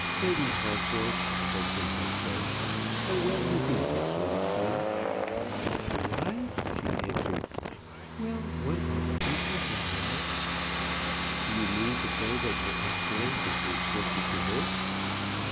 "Lady Harcourt," Bertram had said, "how well you do this sort of thing!" "Do I?" she answered. "Well, one ought to do something well." "Do you mean to say that your excellence is restricted to this?"